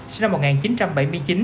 sinh năm một nghìn chín trăm bảy mươi chín